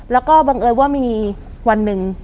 แล้วก็บังเอิญว่ามีวันหนึ่ง